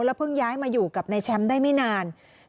เพิ่งย้ายมาอยู่กับนายแชมป์ได้ไม่นาน